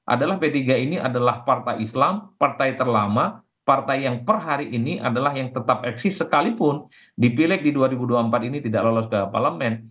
adalah p tiga ini adalah partai islam partai terlama partai yang per hari ini adalah yang tetap eksis sekalipun di pileg di dua ribu dua puluh empat ini tidak lolos ke parlemen